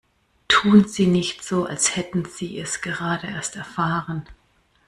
Tun Sie nicht so, als hätten Sie es gerade erst erfahren!